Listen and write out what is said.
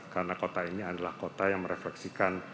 karena kota ini adalah kota yang merefleksibilitas